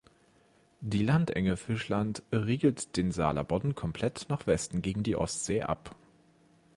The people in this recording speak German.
Die Landenge Fischland riegelt den Saaler Bodden komplett nach Westen gegen die Ostsee ab.